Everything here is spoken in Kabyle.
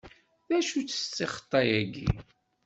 D acu-tt ssixṭa-agi?